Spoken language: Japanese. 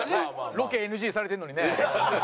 ロケＮＧにされてんのにね。